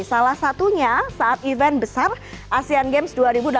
salah satunya saat event besar asean games dua ribu delapan belas